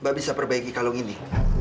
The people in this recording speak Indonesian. mbak bisa perbaiki kalung ini